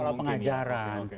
iya pola pengajaran